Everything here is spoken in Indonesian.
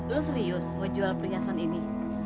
lu serius nge jual perhiasan ini